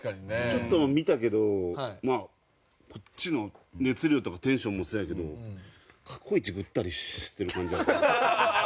ちょっと見たけどこっちの熱量とかテンションもそうやけど過去一ぐったりしてる感じ。